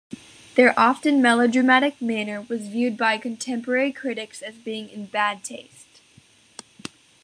Their often melodramatic manner was viewed by contemporary critics as being in bad taste.